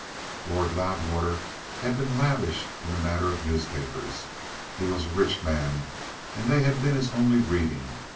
Lord Loudwater had been lavish in the matter of newspapers; he was a rich man, and they had been his only reading.